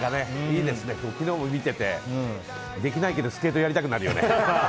昨日も見てて、できないけどスケートやりたくなるよね。